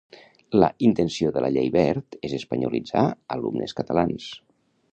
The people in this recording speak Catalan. La intenció de la Llei Wert és espanyolitzar alumnes catalans.